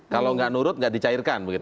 kalau nggak nurut nggak dicairkan